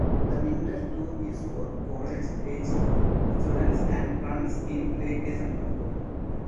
The winter tour is for college-age students and runs in late December.